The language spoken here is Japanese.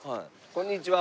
こんにちは。